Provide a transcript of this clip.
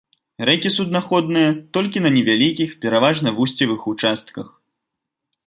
Рэкі суднаходныя толькі на невялікіх, пераважна вусцевых участках.